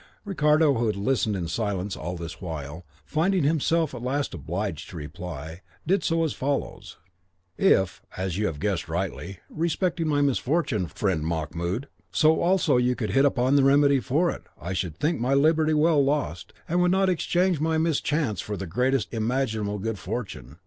Ricardo, who had listened in silence all this while, finding himself at last obliged to reply, did so as follows: "If, as you have guessed rightly, respecting my misfortune, friend Mahmoud," (that was the Turk's name,) "so also you could hit upon the remedy for it, I should think my liberty well lost, and would not exchange my mischance for the greatest imaginable good fortune.